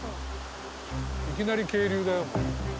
いきなり渓流だよ。